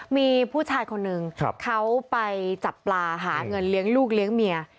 มีผู้ชายคนนึงเขาไปจับปลาหาเงินเลี้ยงลูกเลี้ยงเมีย